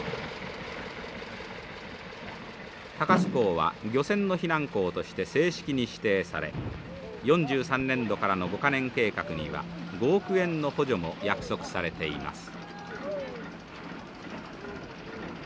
鷹巣港は漁船の避難港として正式に指定され４３年度からの５か年計画には５億円の補助も約束されています。